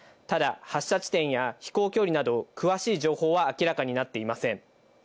ただ発射地点や飛行距離など詳しい情報は明らかになっていません。